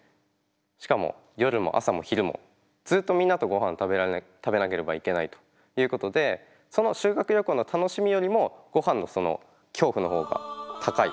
しかも夜も朝も昼もずっとみんなとごはん食べなければいけないということでその修学旅行の楽しみよりもごはんの恐怖の方が高い。